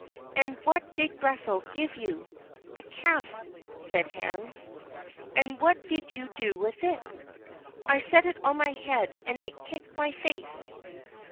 "And what did Grethel give you?" "A calf," said Hans. "And what did you do with it?" "I set it on my head, and it kicked my face."